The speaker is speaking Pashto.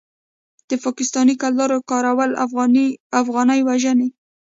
د پاکستانۍ کلدارو کارول افغانۍ وژني.